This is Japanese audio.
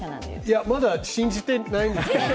いや、まだ信じてないんですけどね。